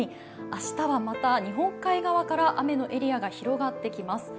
明日はまた日本海側から雨のエリアが広がってきます。